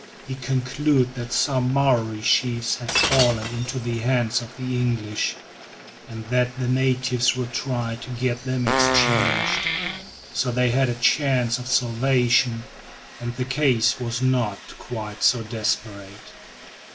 He concluded that some Maori chiefs had fallen into the hands of the English, and that the natives would try to get them exchanged. So they had a chance of salvation, and the case was not quite so desperate.